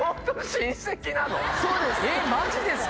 そうです。